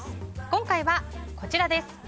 今回はこちらです。